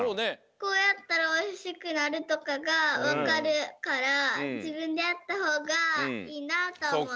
こうやったらおいしくなるとかがわかるからじぶんでやったほうがいいなあとおもった。